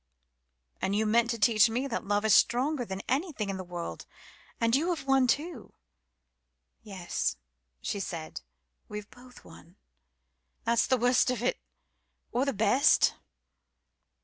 "And you meant to teach me that love is stronger than anything in the world. And you have won too." "Yes," she said, "we've both won. That's the worst of it or the best."